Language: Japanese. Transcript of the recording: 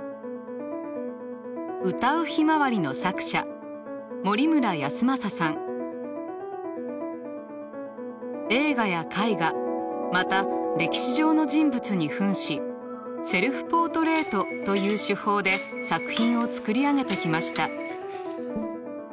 「唄うひまわり」の作者映画や絵画また歴史上の人物にふんしセルフポートレイトという手法で作品を作り上げてきました。